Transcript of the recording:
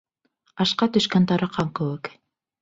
Ашҡа төшкән тараҡан кеүек...